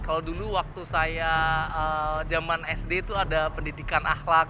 kalau dulu waktu saya zaman sd itu ada pendidikan akhlak